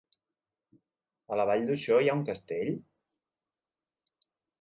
A la Vall d'Uixó hi ha un castell?